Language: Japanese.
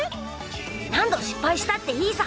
何度、失敗したっていいさ。